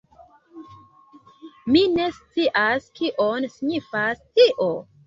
Mi ne scias kion signifas tio?